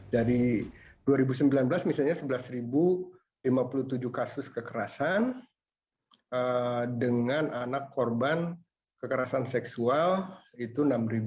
dari dua ribu sembilan belas misalnya sebelas lima puluh tujuh kasus kekerasan dengan anak korban kekerasan seksual itu enam dua ratus